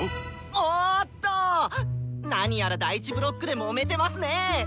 おっとなにやら第１ブロックでもめてますね！